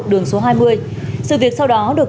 đường số hai mươi sự việc sau đó được